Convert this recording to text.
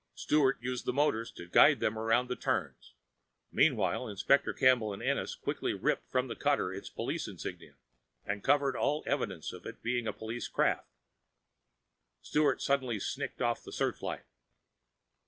Sturt used the motors to guide them around the turns. Meanwhile, Inspector Campbell and Ennis quickly ripped from the cutter its police insignia and covered all evidences of its being a police craft. Sturt suddenly snicked off the searchlight.